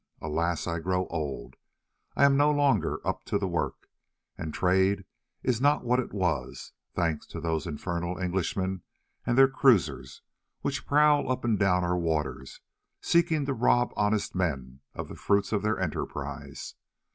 Alas! I grow old, I am no longer up to the work, and trade is not what it was, thanks to those infernal Englishmen and their cruisers, which prowl up and down our waters, seeking to rob honest men of the fruits of their enterprise.